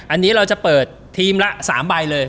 อันนี้เราจะเปิดทีมละ๓ใบเลย